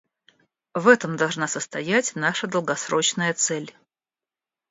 В этом должна состоять наша долгосрочная цель.